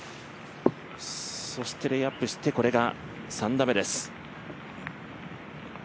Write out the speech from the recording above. レイアップしてこれが３打目です。